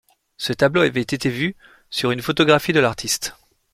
Ce tableau avait été vu sur une photographie de l’artiste.